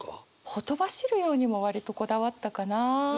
「ほとばしるように」も割とこだわったかな。